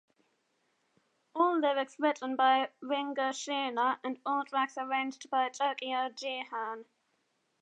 All lyrics written by Ringo Sheena and all tracks arranged by Tokyo Jihen.